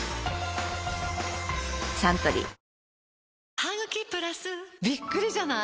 サントリーびっくりじゃない？